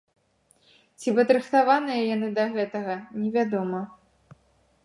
Ці падрыхтаваныя яны да гэтага, невядома.